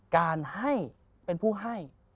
การให้เป็นผู้ให้